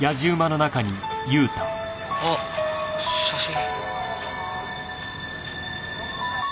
あっ写真。